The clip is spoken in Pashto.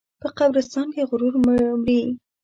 په قبرستان کې غرور مري.